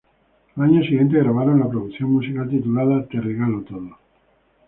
Al año siguiente, grabaron la producción musical titulada "Te regalo todo".